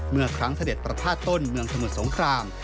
เมื่อครั้งเสด็จประพาทต้นเมืองสมุทรสงคราม